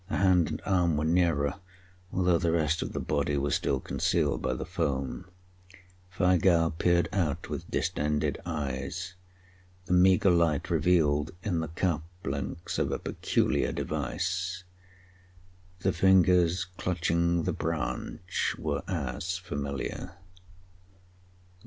The hand and arm were nearer, although the rest of the body was still concealed by the foam. Weigall peered out with distended eyes. The meagre light revealed in the cuffs links of a peculiar device. The fingers clutching the branch were as familiar.